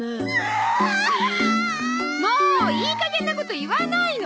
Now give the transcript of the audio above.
もういい加減なこと言わないの！